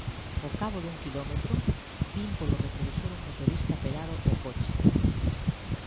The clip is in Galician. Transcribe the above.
Ó cabo dun quilómetro, vin polo retrovisor un motorista pegado ó coche.